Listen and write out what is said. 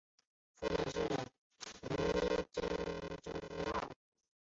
父亲是宇津忠茂。